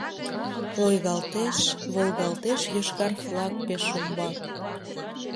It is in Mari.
Лойгалтеш, волгалтеш Йошкар флаг пеш умбак.